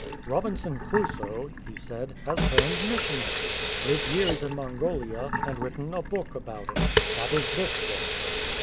"Robinson Crusoe,"' he said, "has turned missionary, lived years in Mongolia, and written a book about it. Tliat is this book."'